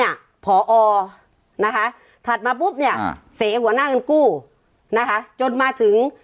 ผอนะคะถัดมาปุ๊บเนี่ยเสหัวหน้าเงินกู้นะคะจนมาถึง